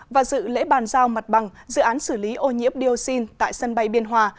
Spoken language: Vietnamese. và dự lễ bàn giao mặt bằng dự án xử lý ô nhiễm dioxin tại sân bay biên hòa